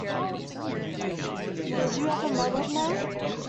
Was you ever modelled now?